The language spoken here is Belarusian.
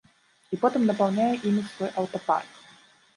І потым напаўняе імі свой аўтапарк.